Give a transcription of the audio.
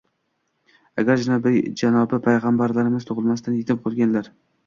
Agar Janobi Payg'ambarimiz tug'ilmasdan yetim qolganlar.